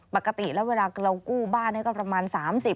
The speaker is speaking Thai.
ปกติแล้วเวลาเรากู้บ้านให้ก็ประมาณ๓๐